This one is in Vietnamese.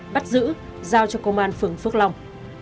bắt giữ giao cho công an phường phước long